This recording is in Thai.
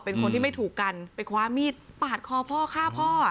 เป็นคนที่ไม่ถูกกันไปคว้ามีดปาดคอพ่อฆ่าพ่อ